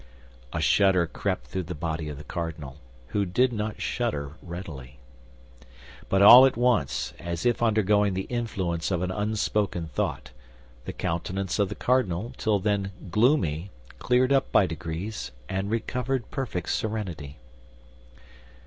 A shudder crept through the body of the cardinal, who did not shudder readily. But all at once, as if undergoing the influence of an unspoken thought, the countenance of the cardinal, till then gloomy, cleared up by degrees, and recovered perfect serenity.